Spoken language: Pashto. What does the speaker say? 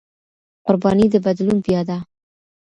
قرباني د بدلون بيه ده.